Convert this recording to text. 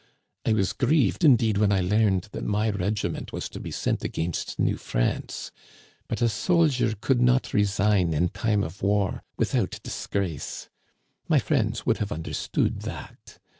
I was grieved, indeed, when I learned that my regiment was to be sent against New France ; but a soldier could not resign in time of war without disgrace. My friends would have understood that.